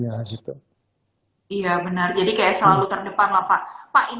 iya benar jadi kayak selalu terdepan lah pak